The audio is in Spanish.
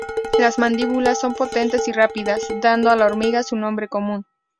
Las mandíbulas son potentes y rápidas, dando a la hormiga su nombre común.